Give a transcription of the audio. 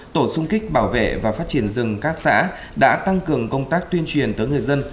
tổ sung kích bảo vệ và phát triển rừng các xã đã tăng cường công tác tuyên truyền tới người dân